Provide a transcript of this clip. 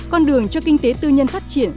con đường cho kinh tế tư nhân phát triển